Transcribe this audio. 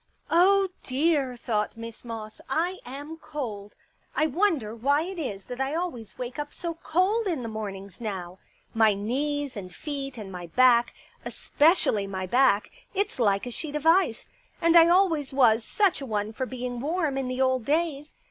" Oh, dear," thought Miss Moss, " I am cold. I wonder why it is that I always wake up so cold in the mornings now. My knees and feet and my back — especially my back ; it's like a sheet of ice. And I always was such a one for being warm in the old days.